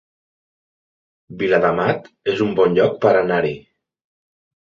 Viladamat es un bon lloc per anar-hi